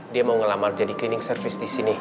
dia mau ngelamar jadi cleaning service disini